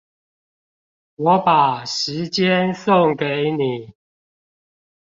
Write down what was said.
我把時間送給你